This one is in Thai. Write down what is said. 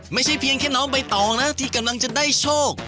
ไม่ใช่เพียงแค่น้องใบตองนะที่กำลังจะได้โชค